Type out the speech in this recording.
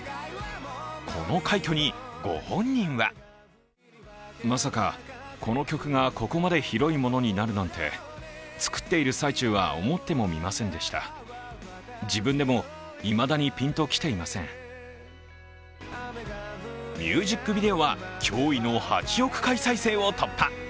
この快挙に、ご本人はミュージックビデオは驚異の８億回再生を突破。